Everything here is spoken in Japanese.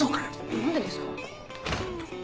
何でですか？